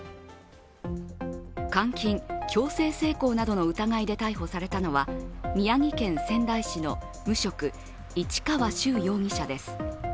監禁・強制性交などの疑いで逮捕されたのは宮城県仙台市の無職・市川柊容疑者です。